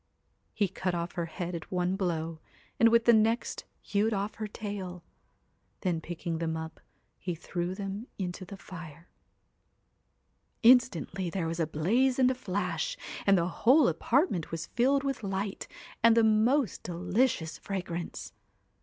He cut off her head at one blow, and with the next hewed off her tail. Then picking them up, he threw them into the fire. Instantly there was a blaze and a flash, and the whole apartment was filled with light and the most delicious fragrance.